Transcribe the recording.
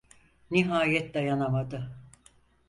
Nihayet dayanamadı: